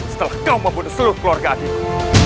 setelah kau membunuh seluruh keluarga adikmu